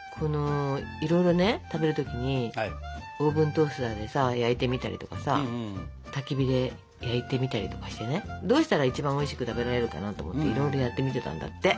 いろいろね食べる時にオーブントースターでさ焼いてみたりとかさたき火で焼いてみたりとかしてねどうしたら一番おいしく食べられるかなと思っていろいろやってみてたんだって。